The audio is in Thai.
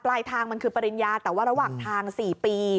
ปลายทางมันคือปริญญาแต่ว่าระหว่างทาง๔ปี